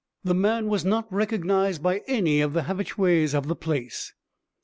The man was not recognized by any of the habitués of the place.'